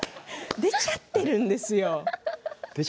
出ちゃっているんですよ。